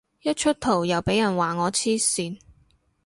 一出圖又俾人話我黐線